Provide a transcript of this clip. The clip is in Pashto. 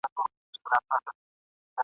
جنگ پر پوستين دئ -عبدالباري جهاني!.